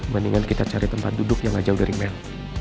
mendingan kita cari tempat duduk yang gak jauh dari mel